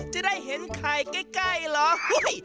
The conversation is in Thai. จะได้เห็นไข่ใกล้เหรอ